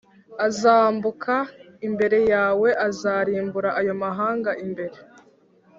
azambuka imbere yawe Azarimburira ayo mahanga imbere